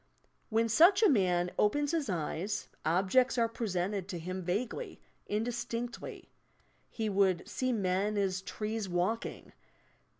When such a man opens his eyes, objects are presented to him vaguely, indistinctly. He would "see men as trees walking."